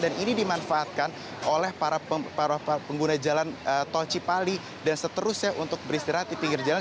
dan ini dimanfaatkan oleh para pengguna jalan tol cipali dan seterusnya untuk beristirahat di pinggir jalan